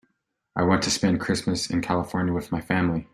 I want to spend Christmas in California with my family.